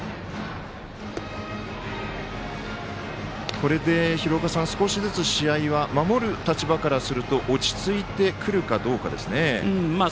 これで、少しずつ試合は守る立場からすると落ち着いてくるかどうかですね。